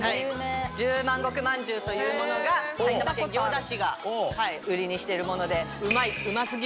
十万石まんじゅうというものが埼玉県行田市が売りにしてるもので。